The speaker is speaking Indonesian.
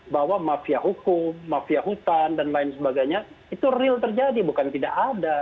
bahwa mafia hukum mafia hutan dan lain sebagainya itu real terjadi bukan tidak ada